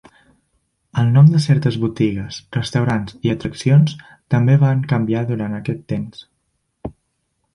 Els noms de certes botigues, restaurants i atraccions també van canviar durant aquest temps